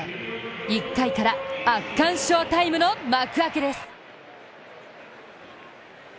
１回から圧巻翔タイムの幕開けです。